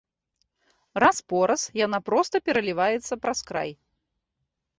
Раз-пораз яна проста пераліваецца праз край.